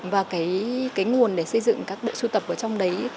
và cái nguồn để xây dựng các bộ sưu tập ở trong đấy